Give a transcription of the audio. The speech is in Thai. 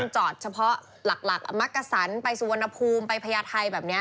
จอดเฉพาะหลักมักกษันไปสุวรรณภูมิไปพญาไทยแบบนี้